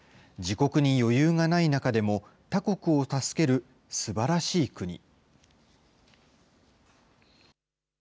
自国に余裕がない中でも、他国を助けるすばらしい国。